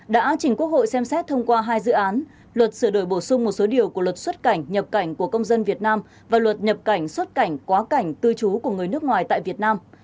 đã trình quốc hội xem xét thông qua hai dự án luật sửa đổi bổ sung một số điều của luật xuất cảnh nhập cảnh của công dân việt nam và luật nhập cảnh xuất cảnh quá cảnh cư trú của người nước ngoài tại việt nam